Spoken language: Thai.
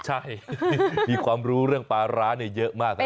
ใช่มีความรู้เรื่องปลาร้าเนี่ยเยอะมาก